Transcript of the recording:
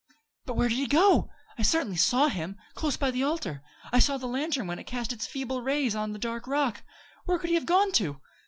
"But where did he go? I certainly saw him, close by the altar. I saw the lantern when it cast its feeble rays on the dark rock. Where could he have gone to?"